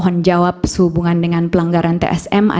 dan jangan misalnya disimplistikkan dengan beberapa milenial